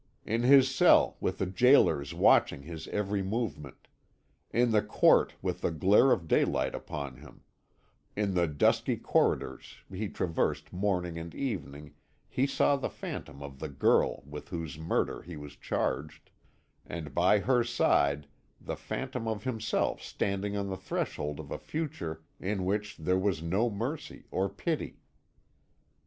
In his cell with the gaolers watching his every movement; in the court with the glare of daylight upon him; in the dusky corridors he traversed morning and evening he saw the phantom of the girl with whose murder he was charged, and by her side the phantom of himself standing on the threshold of a future in which there was no mercy or pity.